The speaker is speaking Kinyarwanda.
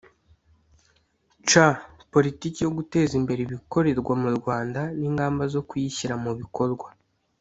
c) Politiki yo guteza imbere ibikorerwa mu Rwanda n’ingamba zo kuyishyira mu bikorwa